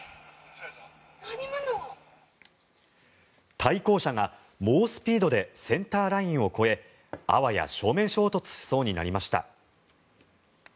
対向車が猛スピードでセンターラインを越えあわや正面衝突しそうになりました。